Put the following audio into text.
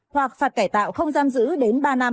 hoặc phạt cải tạo không giam giữ đến ba năm